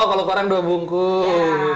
oh kalau kurang dua bungkus